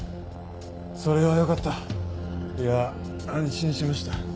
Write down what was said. それはよかったいや安心しました。